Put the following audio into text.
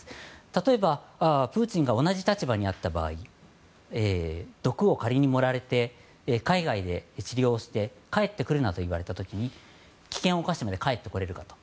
例えば、プーチンが同じ立場にあった場合毒を仮に盛られて海外で治療して帰ってくるなと言われた時に危険を冒しても帰ってくると。